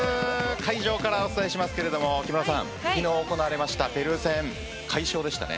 会場からお伝えしますけれども木村さん昨日行われたペルー戦快勝でしたね。